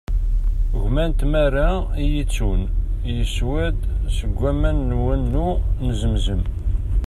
Gma n tmara i iyi-ittun, yeswa-d seg waman n wanu n Zemzem.